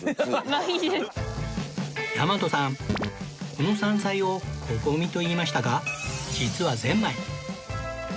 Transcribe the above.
この山菜を「コゴミ」と言いましたが実はゼンマイ